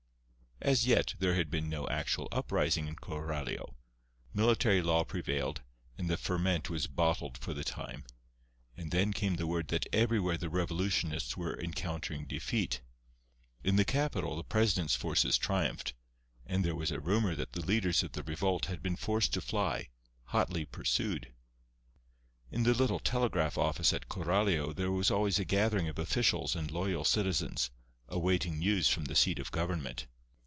As yet there had been no actual uprising in Coralio. Military law prevailed, and the ferment was bottled for the time. And then came the word that everywhere the revolutionists were encountering defeat. In the capital the president's forces triumphed; and there was a rumour that the leaders of the revolt had been forced to fly, hotly pursued. In the little telegraph office at Coralio there was always a gathering of officials and loyal citizens, awaiting news from the seat of government.